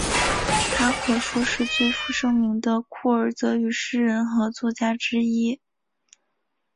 她可说是最负盛名的库尔德语诗人和作家之一。